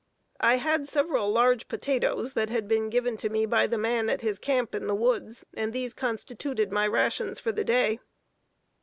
I had several large potatoes that had been given to me by the man at his camp in the woods, and these constituted my rations for this day.